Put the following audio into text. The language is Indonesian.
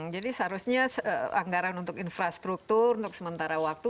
jadi seharusnya anggaran untuk infrastruktur untuk sementara waktu